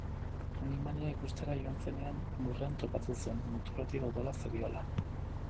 Animalia ikustera joan zenean, lurrean topatu zuen, muturretik odola zeriola.